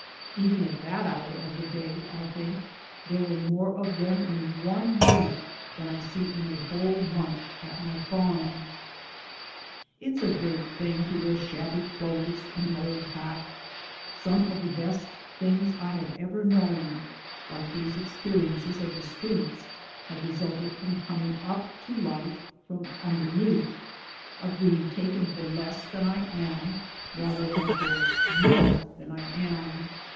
Even at that hour of the day I think there were more of them in one minute than I see in a whole month at my farm. It's a great thing to wear shabby clothes and an old hat. Some of the best things I have ever known, like these experiences of the streets, have resulted from coming up to life from underneath; of being taken for less than I am rather than for more than I am.